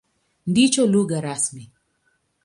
Ndicho lugha rasmi.